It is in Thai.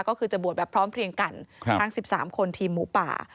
ก็คือจะบวชแบบพร้อมเพลียงกันทั้ง๑๓คนทีมหมูป่า